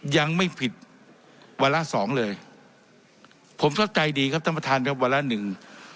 ยังไม่ผิดวาระสองเลยผมเข้าใจดีครับท่านประธานครับวาระหนึ่ง